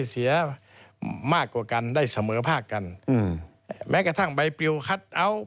เสียมากกว่ากันได้เสมอภาคกันอืมแม้กระทั่งใบปริวคัทเอาท์